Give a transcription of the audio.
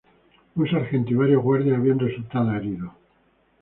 Un sargento y varios guardias habían resultado heridos.